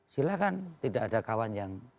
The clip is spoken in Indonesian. silahkan tidak ada kawan yang